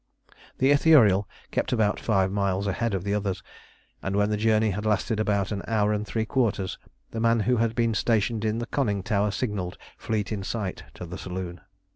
The Ithuriel kept above five miles ahead of the others, and when the journey had lasted about an hour and three quarters, the man who had been stationed in the conning tower signalled, "Fleet in sight" to the saloon.